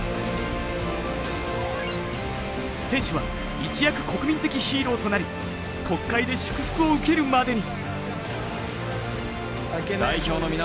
選手は一躍国民的ヒーローとなり国会で祝福を受けるまでに。